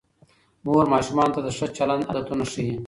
مور ماشومانو ته د ښه چلند عادتونه ښيي